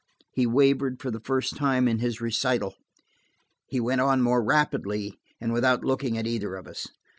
He wavered for the first time in his recital. He went on more rapidly, and without looking at either of us.